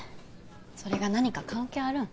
それが何か関係あるん？